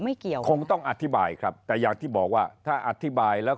เกี่ยวคงต้องอธิบายครับแต่อย่างที่บอกว่าถ้าอธิบายแล้ว